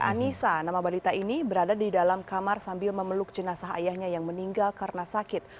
anissa nama balita ini berada di dalam kamar sambil memeluk jenazah ayahnya yang meninggal karena sakit